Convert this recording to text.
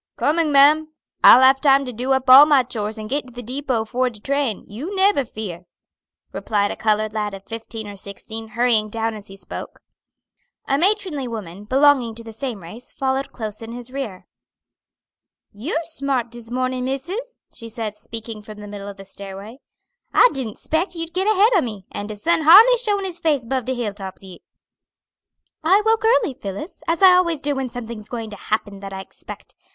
"Coming, ma'am. I'll have time to do up all my chores and git to the depot 'fore de train; you neber fear," replied a colored lad of fifteen or sixteen, hurrying down as he spoke. A matronly woman, belonging to the same race, followed close in his rear. "You're smart dis mornin', missis," she said, speaking from the middle of the stairway. "I didn't 'spect you'd git ahead o' me, and de sun hardly showin' his face 'bove de hill tops yit." "I woke early, Phillis, as I always do when something's going to happen that I expect.